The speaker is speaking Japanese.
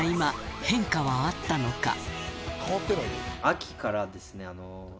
秋からですね。